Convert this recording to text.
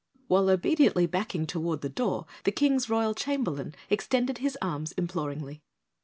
While obediently backing toward the door, the King's Royal Chamberlain extended his arms imploringly.